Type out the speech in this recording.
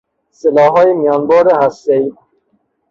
سلاحهای میان برد هستهای